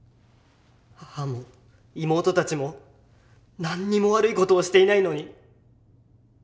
母も妹たちも何にも悪い事をしていないのに。